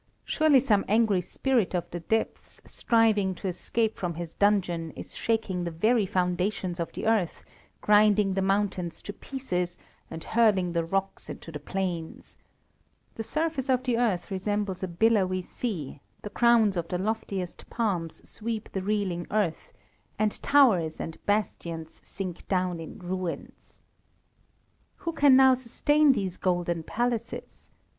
Surely some angry spirit of the depths, striving to escape from his dungeon, is shaking the very foundations of the earth, grinding the mountains to pieces, and hurling the rocks into the plains. The surface of the earth resembles a billowy sea; the crowns of the loftiest palms sweep the reeling earth, and towers and bastions sink down in ruins. Who can now sustain those golden palaces?